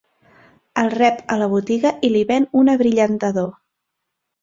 El rep a la botiga i li ven un abrillantador.